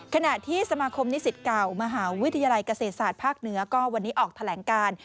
ขณะที่สมาคมนิสิตเก่ามหาวิทยาลัยเกษตรศาสตร์ภาคเหนือก็วันนี้ออกแถลงการ